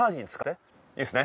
いいですね？